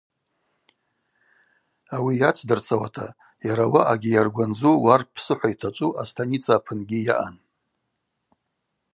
Ауи йацдырцауата, йара ауаъагьи йаргвандзу Уарп псыхӏва йтачӏву, астаница апынгьи йаъан.